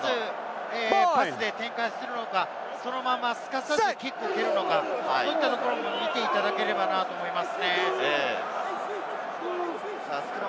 パスで展開するのか、そのまま、すかさずキックを蹴るのか、こういったところも見ていただければと思います。